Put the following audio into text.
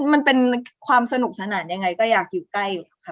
มันเป็นความสนุกสนานยังไงก็อยากอยู่ใกล้อยู่แล้วค่ะ